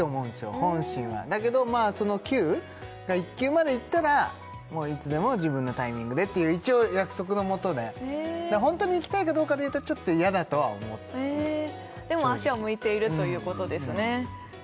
本心はだけどまあ級が１級までいったらもういつでも自分のタイミングでっていう一応約束のもとで本当に行きたいかどうかで言うとちょっと嫌だとは思うでも足は向いているということですね